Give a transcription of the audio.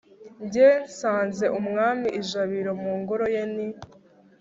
jye nsanze umwami i jabiro, mu ngoro ye ni